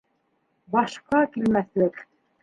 — Башҡа килмәҫлек